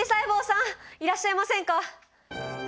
いらっしゃいませんか？